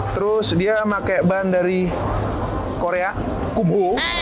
terus dia pakai ban dari korea kubu